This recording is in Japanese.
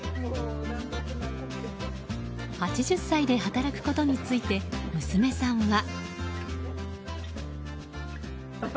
８０歳で働くことについて娘さんは。